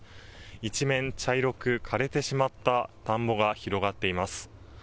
一面、茶色く枯れてしまった田んぼが広がっています。